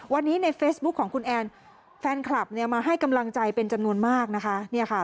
วันนี้ในเฟซบุ๊คของคุณแอนแฟนคลับมาให้กำลังใจเป็นจำนวนมากนะคะ